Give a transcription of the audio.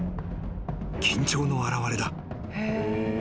［緊張の表れだ］